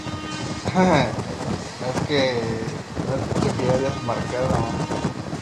No obstante, este sistema de nutrición no puede cubrir toda la extensión del hueso.